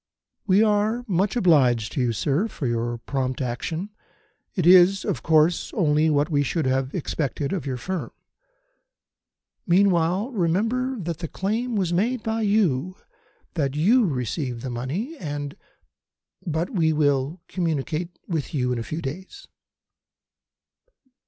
"We are much obliged to you, sir, for your prompt action. It is, of course, only what we should have expected of your firm. Meantime, remember that the claim was made by you, that you received the money, and but we will communicate with you in a few days."